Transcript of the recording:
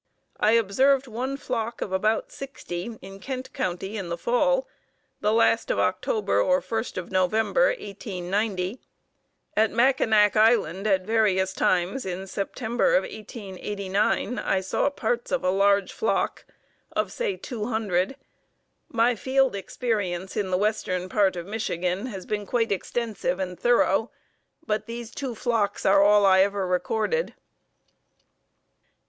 I observed one flock of about sixty in Kent County in the fall, the last of October or first of November, 1890. At Mackinac Island at various times in September of 1889 I saw parts of a large flock, of say two hundred. My field experience in the western part of Michigan has been quite extensive and thorough, but these two flocks are all I ever recorded."